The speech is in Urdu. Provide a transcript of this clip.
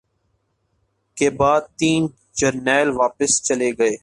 کے بعد تین جرنیل واپس چلے گئے